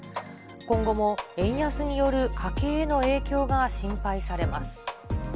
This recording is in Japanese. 今後も円安による家計への影響が心配されます。